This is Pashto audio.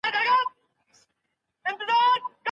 د بشري مرستو ویشل په غیر عادلانه توګه ترسره کیږي.